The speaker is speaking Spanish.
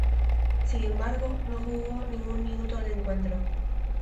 Sin embargo, no jugó ningún minuto del encuentro.